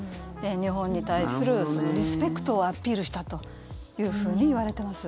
日本に対するリスペクトをアピールしたというふうにいわれてます。